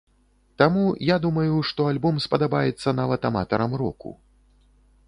Таму, я думаю, што альбом спадабаецца нават аматарам року.